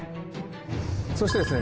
そしてですね